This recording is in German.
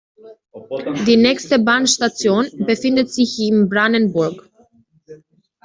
Die nächste Bahnstation befindet sich in Brannenburg.